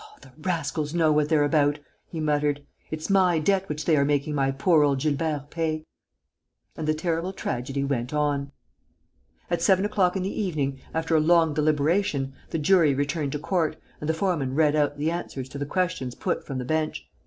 "Oh, the rascals know what they're about!" he muttered. "It's my debt which they are making my poor old Gilbert pay." And the terrible tragedy went on. At seven o'clock in the evening, after a long deliberation, the jury returned to court and the foreman read out the answers to the questions put from the bench.